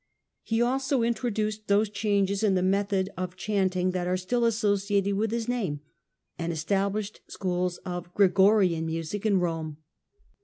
He also introduced those changes in the method of chanting that are still associ ated with his name, and established schools of " Gre gorian " music in Rome.